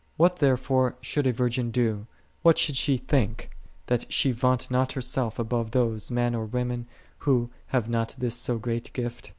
What therefore should a virgin do, what should she think, that she vaunt not herself above those, men or women, who have not this so great gift?